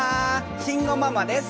慎吾ママです！